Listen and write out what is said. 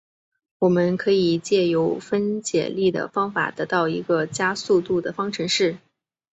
我们可以藉由分解力的方法得到一个加速度的方程式。